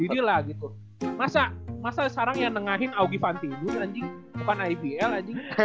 jadi lah gitu masa sekarang ya nengahin augie pantidu anjing bukan ibl anjing